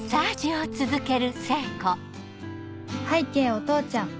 拝啓お父ちゃん